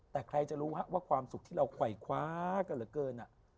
แต่ใครจะรู้ว่าความสุขที่เราไขว่คว้ากันเหลือเกิน